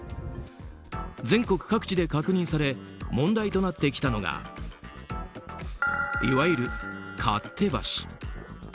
全国各地で確認され問題となってきたのがいわゆる勝手橋。